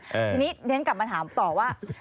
ทีนี้เท่านั้นกลับมาถามต่อว่า